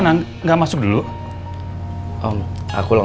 jangan berisik taruh ketahuan